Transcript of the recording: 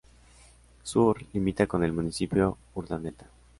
Sur: Limita con el Municipio Urdaneta.